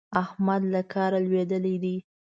احمد له کاره لوېدلی دی.